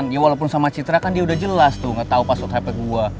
ya walaupun sama citra kan dia udah jelas tuh gak tau password hp gue